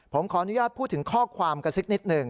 ผมขออนุญาตพูดถึงข้อความกันสักนิดหนึ่ง